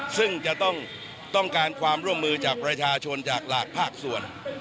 ซึ่งจะต้องการความร่วมมือจากประชาชนจากหลากภาคส่วน